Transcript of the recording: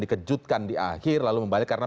dikejutkan di akhir lalu membalik karena